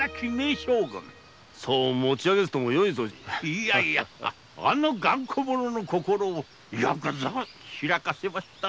いやいやあの頑固者の心をよくぞ開かせました。